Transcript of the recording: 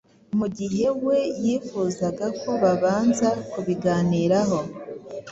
mu gihe we yifuzaga ko babanza kubiganiraho.